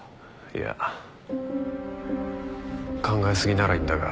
いや考えすぎならいいんだが。